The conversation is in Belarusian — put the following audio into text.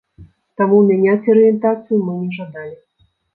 Таму мяняць арыентацыю мы не жадалі!